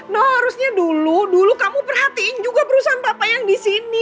noh harusnya dulu kamu perhatiin juga perusahaan papa yang disini